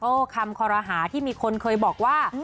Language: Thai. คำคอรหาที่มีคนเคยบอกว่า